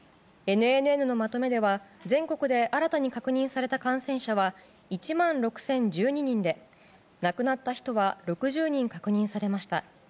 ＮＮＮのまとめでは全国で新たに確認された感染者は１万６０１２人で亡くなった人は６０人確認されました。